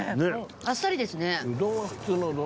あっさりですね。